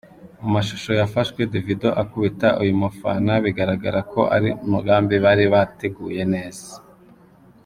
Mu mashusho yafashwe Davido akubita uyu mufana bigaragara ko ari umugambi bari bateguye neza.